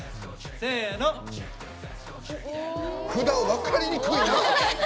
札、分かりにくいな！